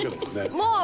もう。